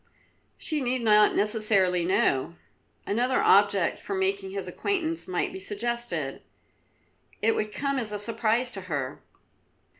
"She need not necessarily know. Another object for making his acquaintance might be suggested. It would come as a surprise to her."